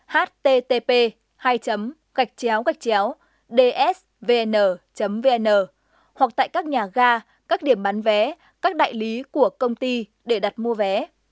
http dsvn vn hoặc tại các nhà ga các điểm bán vé các đại lý của công ty để đặt mua vé